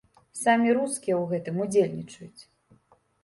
Самі рускія ў гэтым удзельнічаюць.